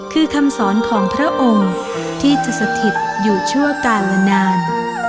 คือคำสอนของพระองค์ที่จะสถิตอยู่ชั่วกาลนาน